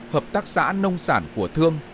hợp tác xã nông sản của thương